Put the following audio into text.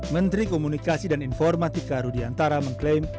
menteri komunikasi dan informatika rudiantara mengklaim